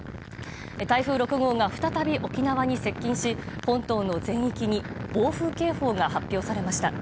台風６号が再び沖縄に接近し本島の全域に暴風警報が発表されました。